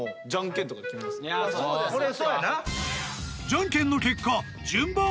［じゃんけんの結果］